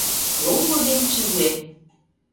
Ломбо ден чие.